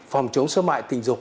phòng chống sơ mại tình dục